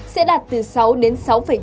sẽ đạt từ sáu đến sáu chín